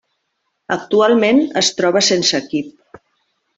Actualment es troba sense equip.